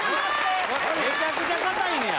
めちゃくちゃ硬いんや。